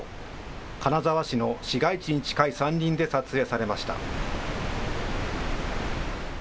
金沢市の市街地に近い山林で撮影されました。